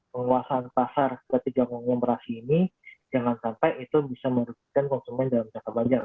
penguasaan pasar ketika konglomerasi ini jangan sampai itu bisa merugikan konsumen dalam jangka panjang